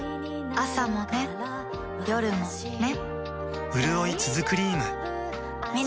朝もね、夜もね